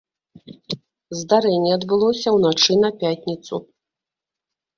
Здарэнне адбылося ўначы на пятніцу.